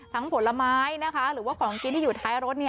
ผลไม้นะคะหรือว่าของกินที่อยู่ท้ายรถ